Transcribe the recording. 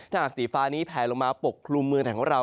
ถ้าสีฟ้านี้แผลลงมาโปรกลุมเมืองแข็งเวาราว